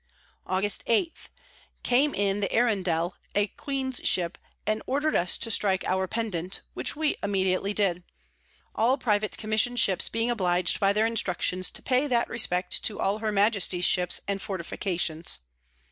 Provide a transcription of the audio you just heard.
Aug. 8. Came in the Arundel a Queen's Ship, and order'd us to strike our Pendant; which we immediately did, all private Commission Ships being oblig'd by their Instructions to pay that Respect to all her Majesty's Ships and Fortifications.